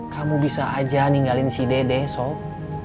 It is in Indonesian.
kamu bisa aja ninggalin si dedek sob